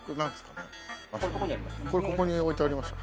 これここに置いてありました。